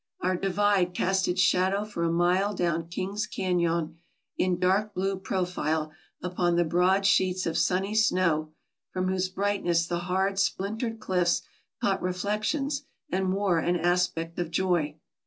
Our di vide cast its shadow for a mile down King's Canon in dark blue profile upon the broad sheets of sunny snow, from whose brightness the hard splintered cliffs caught reflections and wore an aspect of joy.